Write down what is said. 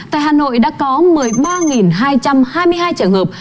tại hà nội đã có một mươi ba hai trăm hai mươi hai trường hợp